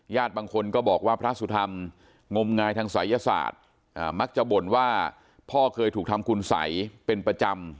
บางคนก็บอกว่าพระสุธรรมงมงายทางศัยศาสตร์มักจะบ่นว่าพ่อเคยถูกทำคุณสัยเป็นประจำ